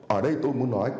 ở đây tôi muốn nói